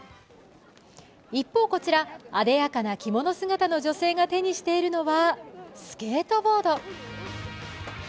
一方こちら、あでやかな着物姿の女性が手にしているのはスケートボード。